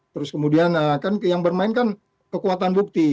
terus kemudian kan yang bermain kan kekuatan bukti